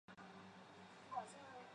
民国五年成立钟山县。